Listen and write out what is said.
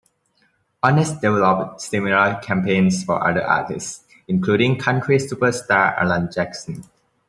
Honest developed similar campaigns for other artists, including country superstar, Alan Jackson.